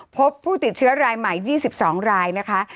พบผู้ติดเชื้อรายใหม่๒๒รายนะคะ